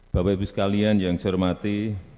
bapak ibu sekalian yang saya hormati